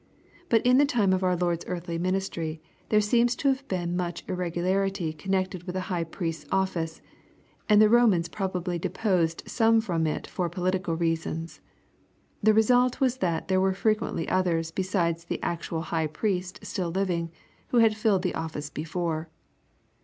But in the time of our Lord's earthly ministry there seems to have been much irregularity con nected with the high priest's oflBce, and the Komans probably de posed some from it for political reasons. The result was that there were frequently others besides the actual high priost still living, who had filled the office before.